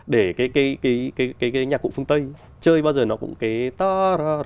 để cái nhạc cụ phương tây chơi bao giờ nó cũng cái